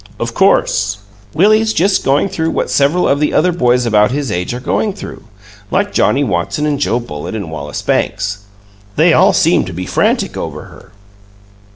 "Of course!" "Willie's just going through what several of the other boys about his age are going through like Johnnie Watson and Joe Bullitt and Wallace Banks. They all seem to be frantic over her."